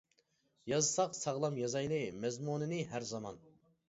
يازساق ساغلام يازايلى، مەزمۇنىنى ھەر زامان.